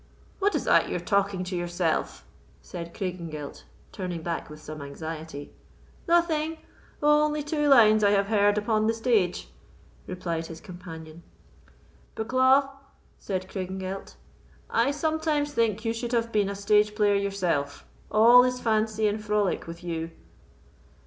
"What is that you are talking to yourself?" said Craigengelt, turning back with some anxiety. "Nothing, only two lines I have heard upon the stage," replied his companion. "Bucklaw," said Craigengelt, "I sometimes think you should have been a stage player yourself; all is fancy and frolic with you."